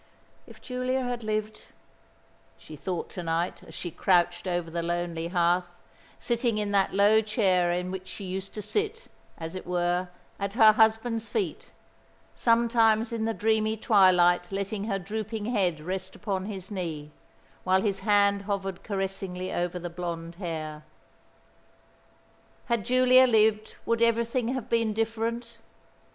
"If Giulia had lived," she thought to night, as she crouched over the lonely hearth, sitting in that low chair in which she used to sit, as it were, at her husband's feet, sometimes in the dreamy twilight letting her drooping head rest upon his knee, while his hand hovered caressingly over the blonde hair. Had Giulia lived, would everything have been different?